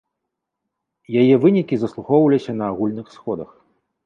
Яе вынікі заслухоўваліся на агульных сходах.